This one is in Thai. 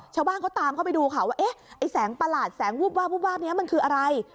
ชาวบ้านเขาตามเข้าไปดูค่ะว่าเอ๊ะไอ้แสงประหลาดแสงวูบวาบวูบวาบนี้มันคืออะไร